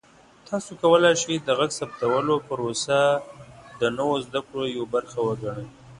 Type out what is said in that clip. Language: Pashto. تاسو کولی شئ د غږ ثبتولو پروسه د نوو زده کړو یوه برخه وګڼئ.